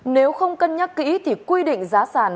nếu không cân nhắc kỹ thì quy định giá sản